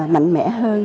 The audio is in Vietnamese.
mạnh mẽ hơn